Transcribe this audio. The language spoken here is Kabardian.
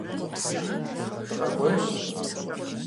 Дыкъэкӏуэнщ.